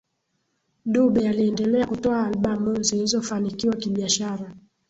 Dube aliendelea kutoa albamu zilizofanikiwa kibiashara